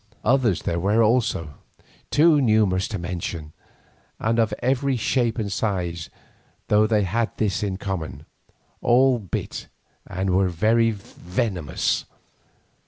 Others there were, also, too numerous to mention, and of every shape and size, though they had this in common, all bit and all were venomous.